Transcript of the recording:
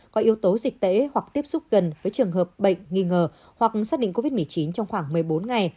có yếu tố dịch tễ hoặc tiếp xúc gần với trường hợp bệnh nghi ngờ hoặc xác định covid một mươi chín trong khoảng một mươi bốn ngày